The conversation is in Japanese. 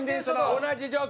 同じ状況